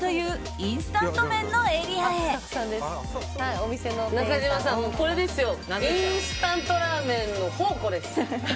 インスタントラーメンの宝庫です。